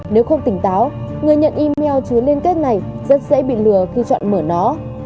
nếu không tỉnh táo người nhận email chứa liên kết này rất dễ bị lừa khi chọn mở nó